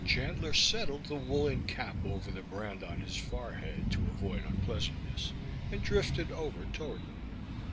Chandler settled the woolen cap over the brand on his forehead, to avoid unpleasantness, and drifted over toward them.